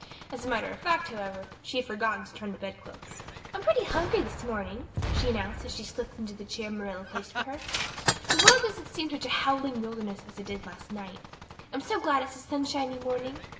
As a matter of fact, however, she had forgotten to turn back the bedclothes. "I'm pretty hungry this morning," she announced as she slipped into the chair Marilla placed for her. "The world doesn't seem such a howling wilderness as it did last night. I'm so glad it's a sunshiny morning.